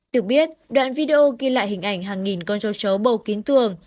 được biết đoạn video ghi lại hình ảnh hàng nghìn con châu chấu bầu kín tường